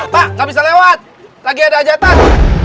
tak bisa lewat lagi ada jatah